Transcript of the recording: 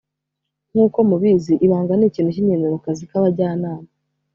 Nk uko mubizi ibanga ni ikintu cy ingenzi mu kazi k Abajyanama